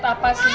lihat apa sih